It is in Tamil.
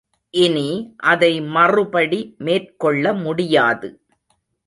இனி அதை மறுபடி மேற்கொள்ள முடியாது.